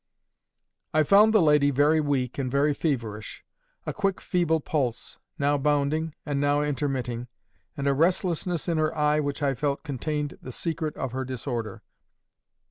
"I found the lady very weak and very feverish—a quick feeble pulse, now bounding, and now intermitting—and a restlessness in her eye which I felt contained the secret of her disorder.